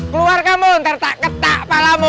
keluar kamu ntar tak ketak kepalamu